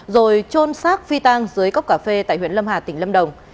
rồi trôn xác phi tang dưới cốc cà phê tại huyện lâm hà tỉnh lâm đồng